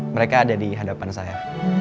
mereka ada di hadapan saya